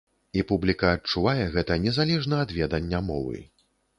І публіка адчувае гэта, незалежна ад ведання мовы.